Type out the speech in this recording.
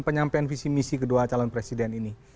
penyampaian visi misi kedua calon presiden ini